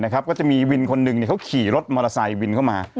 ก็จะมีวินคนหนึ่งเขาขี่รถมอเตอร์ไซค์วินเข้ามา